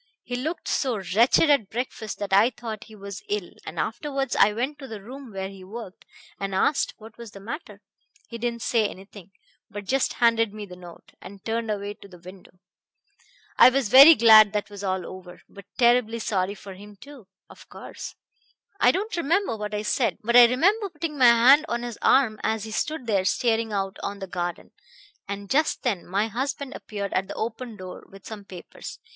He looked so wretched at breakfast that I thought he was ill, and afterwards I went to the room where he worked, and asked what was the matter. He didn't say anything, but just handed me the note, and turned away to the window. I was very glad that was all over, but terribly sorry for him too, of course. I don't remember what I said, but I remember putting my hand on his arm as he stood there staring out on the garden; and just then my husband appeared at the open door with some papers.